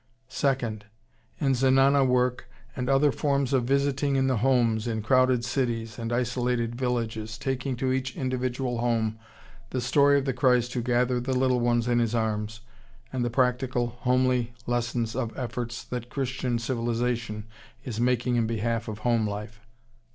Second: In Zenana work and other forms of visiting in the homes, in crowded cities, and isolated villages, taking to each individual home the story of the Christ who gathered the little ones in His arms, and the practical, homely lessons of efforts that Christian civilization is making in behalf of home life.